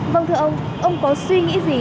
vâng thưa ông ông có suy nghĩ gì